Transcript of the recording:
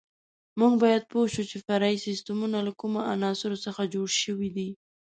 موږ باید پوه شو چې فرعي سیسټمونه له کومو عناصرو څخه جوړ شوي دي.